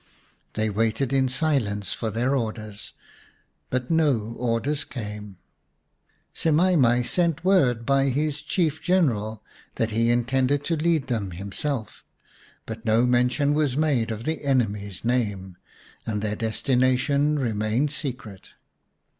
They waited in silence for their orders, but no orders came. 161 M The Story of Semai mai xiv Semai mai sent word by his chief general that he intended to lead them himself, but no mention was made of the enemy's name, and their destina tion remained secret.